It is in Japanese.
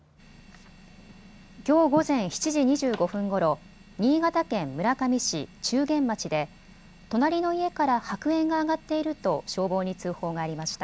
きょう午前７時２５分ごろ、新潟県村上市仲間町で隣の家から白煙が上がっていると消防に通報がありました。